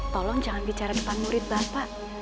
tolong jangan bicara tentang murid bapak